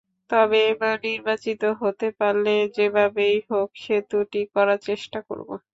তবে এবার নির্বাচিত হতে পারলে যেভাবেই হোক সেতুটি করার চেষ্টা করব।